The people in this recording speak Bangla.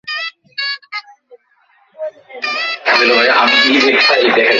আমার উবার বাতিল হচ্ছে।